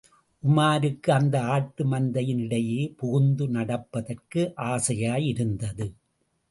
உமாருக்கு அந்த ஆட்டு மந்தையின் இடையே புகுந்து நடப்பதற்கு ஆசையாயிருந்தது.